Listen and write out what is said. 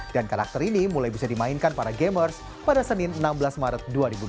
karakter ini mulai bisa dimainkan para gamers pada senin enam belas maret dua ribu dua puluh